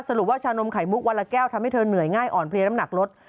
ว่าชานมไข่มุกวันละแก้วทำให้เธอเหนื่อยง่ายอ่อนเพลียน้ำหนักลด